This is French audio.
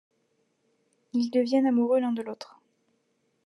Ils deviennent amoureux l'un de l'autre.